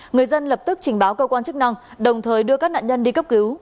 người dân lập tức trình báo cơ quan chức năng đồng thời đưa các nạn nhân đi cấp cứu